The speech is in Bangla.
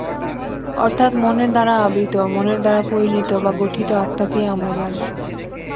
অর্থাৎ মনের দ্বারা আবৃত, মনের দ্বারা পরিণত বা গঠিত আত্মাকেই আমরা জানি।